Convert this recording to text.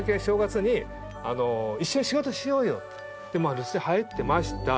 留守電入ってました。